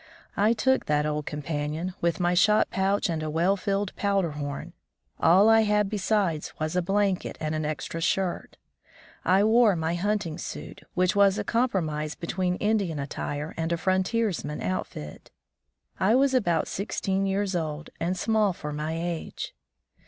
I took that old companion, with my shot pouch and a well filled powder horn. All I had besides was a blanket, and an extra shirt. I wore my hunting suit, which was a compromise between Indian attire and a frontiersman's outfit. I was about sixteen years old and small of my age.